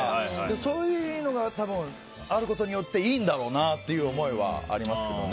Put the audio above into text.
そういうのが多分、あることによっていいんだろうなという思いはありますけどね。